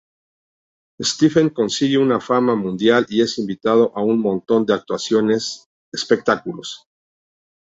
Stephen consigue una fama mundial y es invitado a un montón de actuaciones, espectáculos...